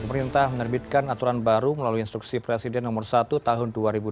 pemerintah menerbitkan aturan baru melalui instruksi presiden nomor satu tahun dua ribu dua puluh